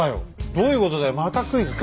どういうことだよまたクイズか！